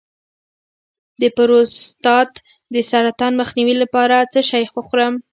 د پروستات د سرطان مخنیوي لپاره څه شی وخورم؟